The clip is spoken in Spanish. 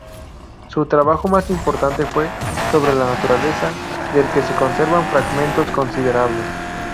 Su trabajo más importante fue "Sobre la naturaleza", del que se conservan fragmentos considerables.